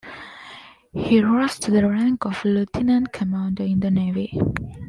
He rose to the rank of lieutenant commander in the Navy.